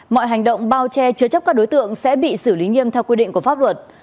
mọi hành động bao che chứa chấp các đối tượng sẽ bị xử lý nghiêm theo quy định của pháp luật